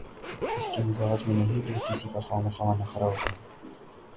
ان کے مزاج میں نہیں کہ کسی کا خواہ مخواہ نخرہ اٹھائیں۔